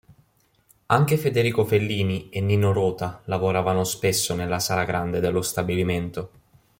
Anche Federico Fellini e Nino Rota lavoravano spesso nella sala grande dello stabilimento.